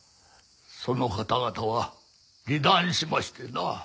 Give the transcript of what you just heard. その方々は離檀しましてな。